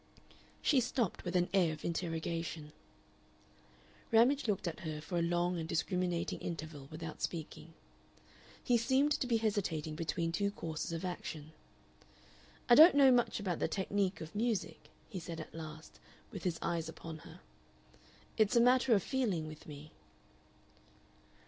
She stopped with an air of interrogation. Ramage looked at her for a long and discriminating interval without speaking. He seemed to be hesitating between two courses of action. "I don't know much about the technique of music," he said at last, with his eyes upon her. "It's a matter of feeling with me."